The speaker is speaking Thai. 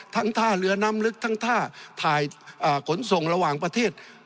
ท่าเรือน้ำลึกทั้งท่าถ่ายขนส่งระหว่างประเทศ